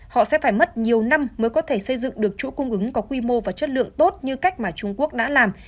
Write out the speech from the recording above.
họ sẽ phải mất nhiều năm mới có thể xây dựng được chuỗi cung ứng có quy mô và chất lượng tốt như cách mà trung quốc đã làm